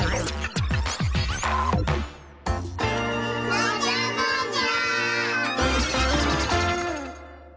もじゃもじゃ！